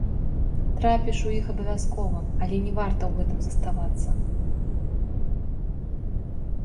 Трапіш у іх абавязкова, але не варта ў гэтым заставацца.